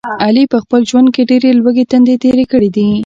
علي په خپل ژوند کې ډېرې لوږې تندې تېرې کړي دي.